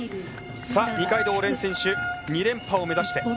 二階堂蓮選手、２連覇を目指して。